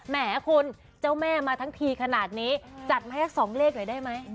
แหมคุณเจ้าแม่มาทั้งทีขนาดนี้จัดมาให้สัก๒เลขหน่อยได้ไหม